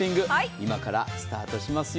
今からスタートしますよ。